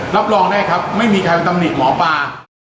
รับรองได้ครับไม่มีใครมาตำหนิหมอปลา